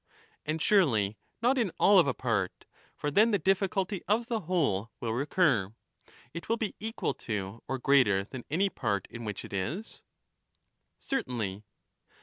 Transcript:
And surely not in all of a part, for then the difficulty of the whole will recur ; it will be equal to or greater than any part in which it is. Certainly.